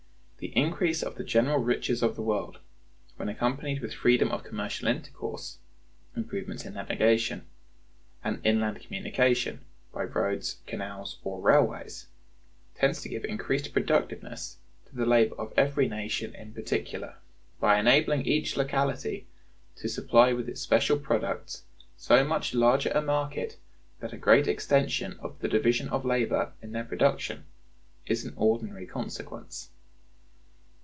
The increase of the general riches of the world, when accompanied with freedom of commercial intercourse, improvements in navigation, and inland communication by roads, canals, or railways, tends to give increased productiveness to the labor of every nation in particular, by enabling each locality to supply with its special products so much larger a market that a great extension of the division of labor in their production is an ordinary consequence.